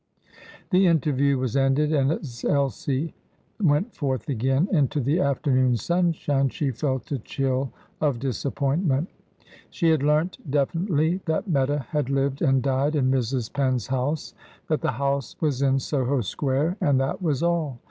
The interview was ended; and as Elsie went forth again into the afternoon sunshine she felt a chill of disappointment. She had learnt definitely that Meta had lived and died in Mrs. Penn's house, that the house was in Soho Square, and that was all.